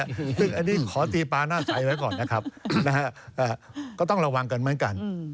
ซึ่งอันนี้ขอตีปลาหน้าใจไว้ก่อนนะครับก็ต้องระวังกันเหมือนกัน